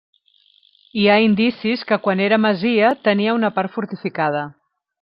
Hi ha indicis que quan era masia tenia una part fortificada.